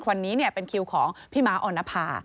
วันนี้เป็นคิวของพี่ม้าออนภา